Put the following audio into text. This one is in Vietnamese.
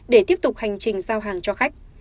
để tiếp tục hành trình giao hàng cho khách